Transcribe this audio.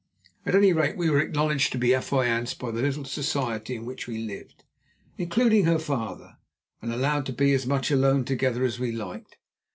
At any rate, we were acknowledged to be affianced by the little society in which we lived, including her father, and allowed to be as much alone together as we liked.